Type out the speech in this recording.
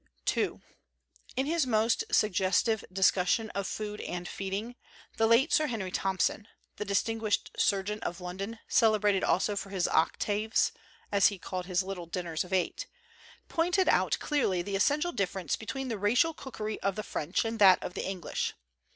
II IN his most suggestive discussion of 'Food and Feeding,' the late Sir Henry Thompson the distinguished surgeon of London, celebrated also for his "octaves," as he called his little din ners of eight pointed out clearly the essential difference between the racial cookery of the French and that of the English.